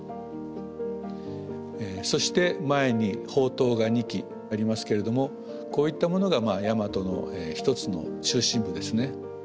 そして前に砲塔が２基ありますけれどもこういったものが大和の一つの中心部ですね。